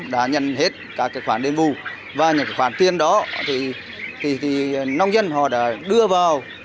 đã nhận hết cả cái khoản đơn vụ và những cái khoản tiền đó thì nông dân họ đã đưa vào